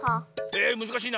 えむずかしいな。